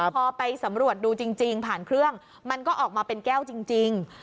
พอไปสำรวจดูจริงผ่านเครื่องมันก็ออกมาเป็นแก้วจริง